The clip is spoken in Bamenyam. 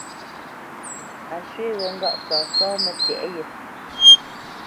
A swe wé ŋgâʼ sasá mətéʼ ye.